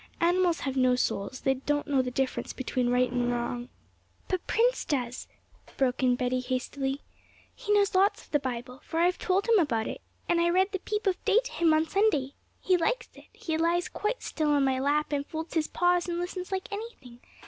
Animals have no souls, they do not know the difference between right and wrong ' 'But Prince does,' broke in Betty hastily; 'he knows lots of the Bible, for I've told him about it, and I read The Peep of Day to him on Sunday. He likes it; he lies quite still on my lap and folds his paws and listens like anything.